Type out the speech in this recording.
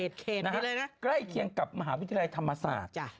เอเกดนี่เลยนะครับใกล้เคียงกับมหาวิทยาลัยธรรมศาสตร์